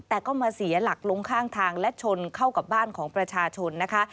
แต่ก็มาเสียหลักลงข้างทางและชนเข้ากับบ้านของประชาชนนะคะ